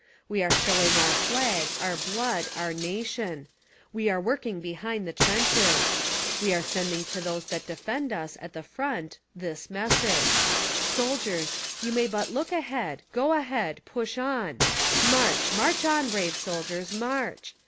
We are showing our flag, our blood, our nation ; we are working behind the trenches ; we are sending to those that defend us at the front, this message: "Soldiers, you may but look ahead, go ahead, push on ; march, march on, brave soldiers, march